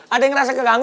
ada yang ngerasa keganggu